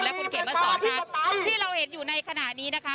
และคุณเขมเมิต้สสอนที่เราเห็นอยู่ในขณะนี้นะคะ